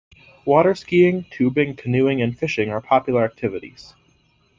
Water skiing, tubing, canoeing, and fishing are popular activities.